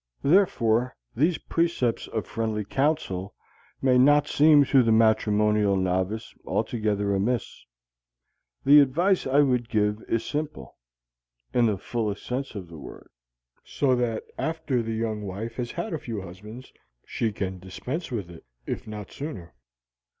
Therefore these precepts of friendly counsel may not seem to the matrimonial novice altogether amiss. The advice I would give is simple (in the fullest sense of the word); so that after the young wife has had a few husbands, she can dispense with it, if not sooner.